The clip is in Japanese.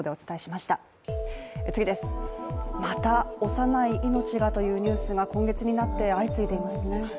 また幼い命がというニュースが今月になって相次いでいますね。